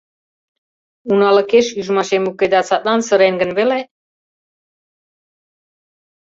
Уналыкеш ӱжмашем уке, да садлан сырен гын веле?..